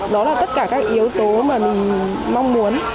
đó là tất cả các yếu tố mà mình mong muốn